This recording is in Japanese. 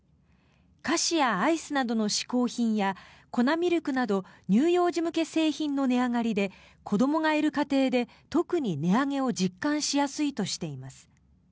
菓子やアイスなどの嗜好品や粉ミルクなど乳幼児向け製品の値上がりで子どもがいる家庭で特に値上げを実感しやすいとしています。